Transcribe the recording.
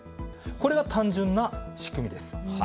これが単純な仕組みです。